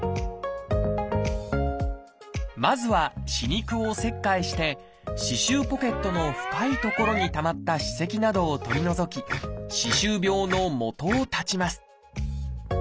まずは歯肉を切開して歯周ポケットの深い所にたまった歯石などを取り除き歯周病のもとを断ちます。